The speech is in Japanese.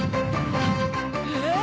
えっ⁉